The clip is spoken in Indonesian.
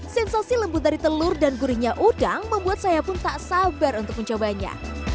sensasi lembut dari telur dan gurihnya udang membuat saya pun tak sabar untuk mencobanya